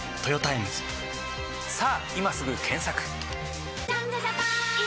さぁ今すぐ検索！